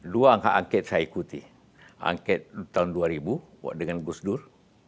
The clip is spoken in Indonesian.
dua angka angket saya ikuti angket tahun dua ribu dengan gus dur